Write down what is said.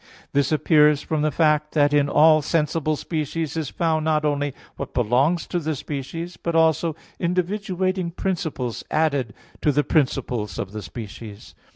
This appears from the fact that in all sensible species is found not only what belongs to the species, but also individuating principles added to the principles of the species.